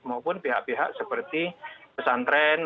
mau pun pihak pihak seperti pesantren